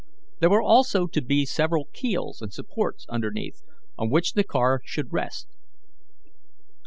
There were also to be several keels and supports underneath, on which the car should rest.